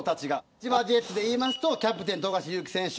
千葉ジェッツでいうとキャプテン富樫勇樹選手